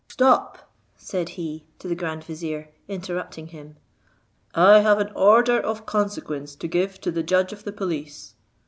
"Stop," said he, to the grand vizier, interrupting him; "I have an order of consequence to give to the judge of the police."